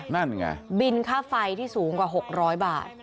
นั่นไงบินค่าไฟที่สูงกว่า๖๐๐บาท